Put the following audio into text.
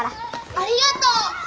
ありがとう！